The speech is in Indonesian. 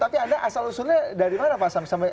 tapi anda asal usulnya dari mana pak sam